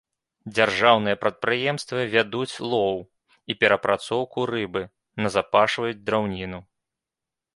Дзяржаўныя прадпрыемствы вядуць лоў і перапрацоўку рыбы, назапашваюць драўніну.